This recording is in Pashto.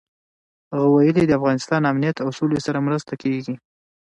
هغه ویلي، د افغانستان امنیت او سولې سره مرسته کېږي.